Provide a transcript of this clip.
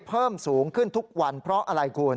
เพิ่มสูงขึ้นทุกวันเพราะอะไรคุณ